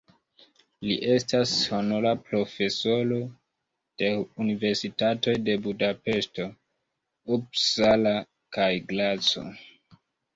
Li estas honora profesoro de universitatoj de Budapeŝto, Uppsala kaj Graco.